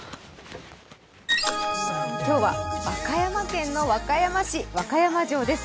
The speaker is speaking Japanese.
今日は和歌山県の和歌山市、和歌山城です。